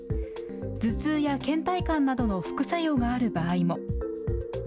頭痛やけん怠感などの副作用がある場合も。